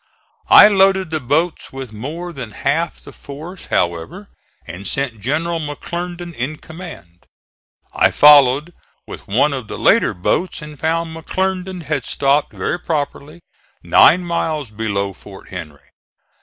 I loaded the boats with more than half the force, however, and sent General McClernand in command. I followed with one of the later boats and found McClernand had stopped, very properly, nine miles below Fort Henry.